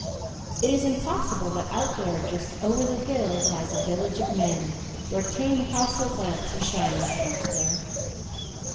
"It is impossible that out there, just over the hill, lies a village of men, where tame household lamps are shining," said Uncle Blair.